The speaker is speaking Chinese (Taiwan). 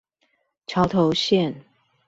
橋頭線